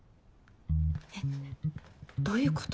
えっどういうこと？